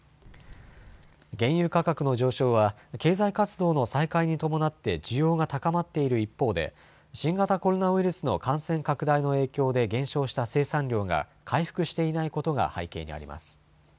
原油価格の上昇は経済活動の再開に伴って需要が高まっている一方で新型コロナウイルスの感染拡大の影響で減少した生産量が回復していないことが背景にあります。